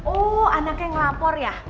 oh anaknya ngelapor ya